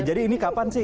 jadi ini kapan sih